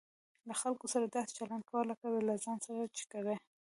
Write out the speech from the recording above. له خلکو سره داسي چلند کوئ؛ لکه له ځان سره چې کوى.